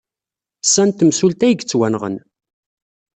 Sa n temsulta ay yettwenɣen.